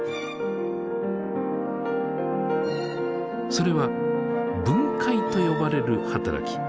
それは「分解」と呼ばれるはたらき。